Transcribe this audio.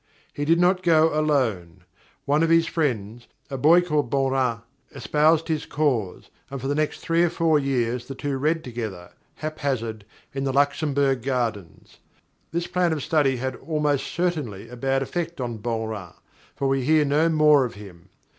He did not go alone. One of his friends, a boy called Beaurain, espoused his cause, and for the next three or four years the two read together, haphazard, in the Luxembourg Gardens. This plan of study had almost certainly a bad effect on Beaurain, for we hear no more of him.